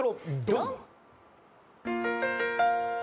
ドン！